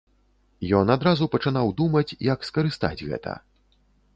Ён адразу пачынаў думаць, як скарыстаць гэта.